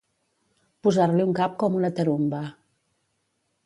Posar-li un cap com una tarumba.